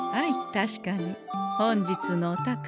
確かに本日のお宝